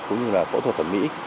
cũng như là phẫu thuật thẩm mỹ